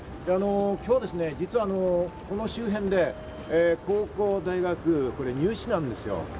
今日、実はこの周辺で高校、大学、入試なんですよ。